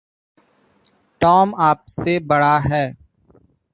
Tom आप से बड़ा है।